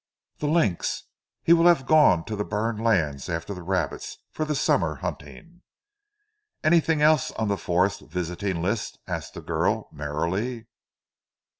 "The lynx! He will have gone to the burned lands after the rabbits for the summer hunting." "Anything else on the forest visiting list?" asked the girl merrily.